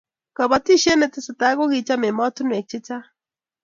kabotishee netesetai kokicham emotinwek chechang